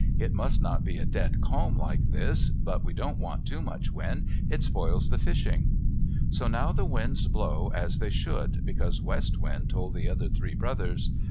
It must not be a dead calm like this, but we don't want too much wind. It spoils the fishing." So now the winds blow as they should, because West Wind told the other three brothers.